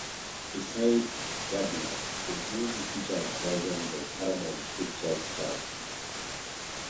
Besides Gardner, the movie featured dozens of Paramount Pictures stars.